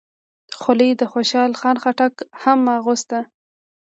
خولۍ د خوشحال خان خټک هم اغوسته.